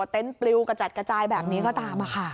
เต็นต์ปลิวกระจัดกระจายแบบนี้ก็ตามมาค่ะ